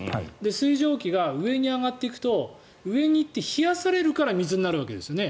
水蒸気が上に上がっていくと上に行って冷やされるから水になるわけですよね。